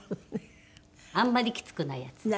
あんまりきつくないやつです。